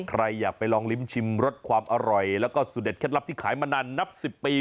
ใครอยากไปลองลิ้มชิมรสความอร่อยแล้วก็สูตรเด็ดเคล็ดลับที่ขายมานานนับ๑๐ปี